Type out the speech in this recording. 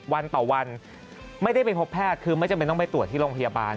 วันต่อวันไม่ได้ไปพบแพทย์คือไม่จำเป็นต้องไปตรวจที่โรงพยาบาล